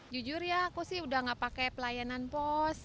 jujur ya aku sih sudah tidak pakai pelayanan pos